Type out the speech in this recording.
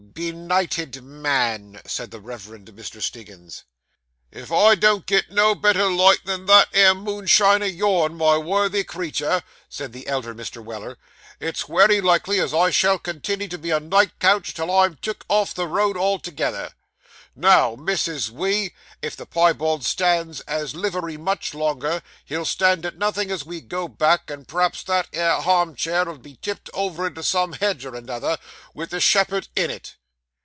'Benighted man!' said the Reverend Mr. Stiggins. 'If I don't get no better light than that 'ere moonshine o' yourn, my worthy creetur,' said the elder Mr. Weller, 'it's wery likely as I shall continey to be a night coach till I'm took off the road altogether. Now, Mrs. We, if the piebald stands at livery much longer, he'll stand at nothin' as we go back, and p'raps that 'ere harm cheer 'ull be tipped over into some hedge or another, with the shepherd in it.